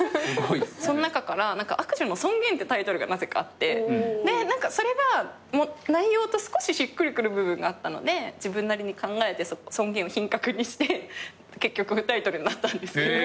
その中から「悪女の尊厳」ってタイトルがなぜかあって何かそれは内容と少ししっくりくる部分があったので自分なりに考えて「尊厳」を「品格」にして結局タイトルになったんですけど。